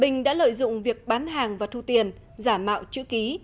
bình đã lợi dụng việc bán hàng và thu tiền giả mạo chữ ký